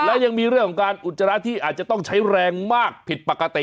และยังมีเรื่องของการอุจจาระที่อาจจะต้องใช้แรงมากผิดปกติ